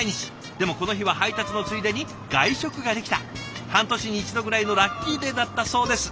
でもこの日は配達のついでに外食ができた半年に一度ぐらいのラッキーデーだったそうです。